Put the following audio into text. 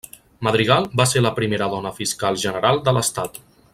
Madrigal va ser la primera dona fiscal general de l'Estat.